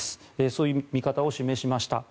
そういう見方を示しました。